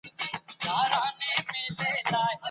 ښوونکی د زدهکوونکو رواني وضعیت ته پاملرنه کوي.